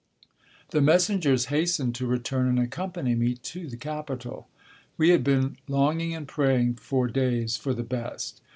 The messengers hastened to return and accompany me to the capital. We had been longing and praying for days for the best.